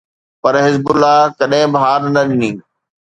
پر Hezbollah ڪڏهن به هار نه ڏني.